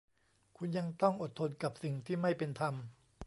คุณยังต้องอดทนกับสิ่งที่ไม่เป็นธรรม